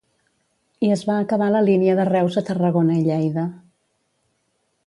I es va acabar la línia de Reus a Tarragona i Lleida.